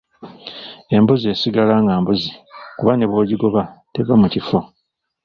Embuzi esigala nga mbuzi kuba ne bw'ogigoba teva mu kifo.